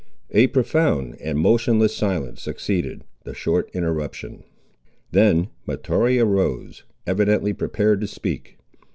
A profound and motionless silence succeeded the short interruption. Then Mahtoree arose, evidently prepared to speak.